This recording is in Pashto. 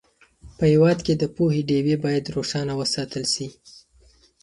په هېواد کې د پوهې ډېوې باید روښانه وساتل سي.